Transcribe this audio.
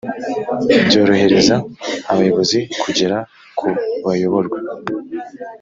byorohereza abayobozi kugera ku bayoborwa